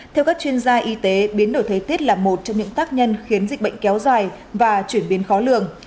theo các chuyên gia y tế biến đổi thế tiết là một trong những tác nhân khiến dịch bệnh kéo dài và chuyển biến khó lường